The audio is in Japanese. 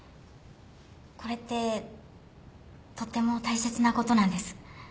これってとても大切なことなんです。